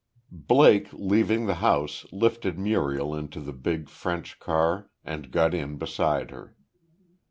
Blake, leaving the house, lifted Muriel into the big, French car and got in beside her.